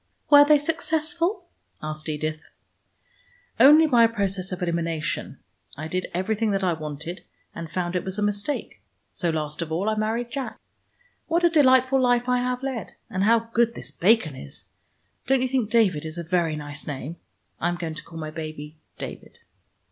"Were they successful?" asked Edith. "Only by a process of elimination. I did everything that I wanted, and found it was a mistake. So, last of all, I married Jack. What a delightful life I have led, and how good this bacon is. Don't you think David is a very nice name? I am going to call my baby David."